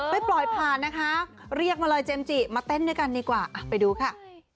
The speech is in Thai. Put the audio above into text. ไปปล่อยผ่านนะคะเรียกมาเลยเจมส์จิมาเต้นด้วยกันดีกว่าไปดูค่ะ